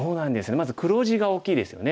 まず黒地が大きいですよね。